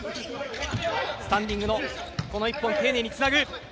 スタンディングのこの１本丁寧につなぐ。